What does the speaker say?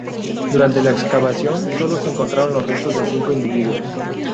Durante la excavación, solo se encontraron los restos de cinco individuos.